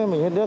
mình hết nước